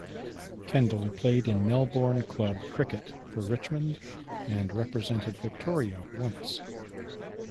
Kendall played in Melbourne club cricket for Richmond, and represented Victoria once.